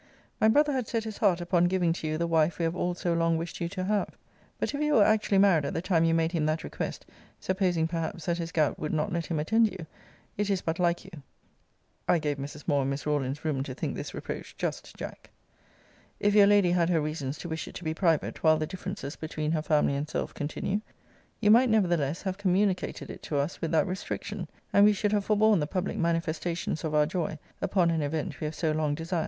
My brother had set his heart upon giving to you the wife we have all so long wished you to have. But if you were actually married at the time you made him that request (supposing, perhaps, that his gout would not let him attend you) it is but like you.* If your lady had her reasons to wish it to be private while the differences between her family and self continue, you might nevertheless have communicated it to us with that restriction; and we should have forborne the public manifestations of our joy upon an event we have so long desired.